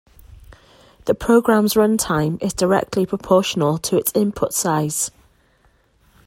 The program's run-time is directly proportional to its input size.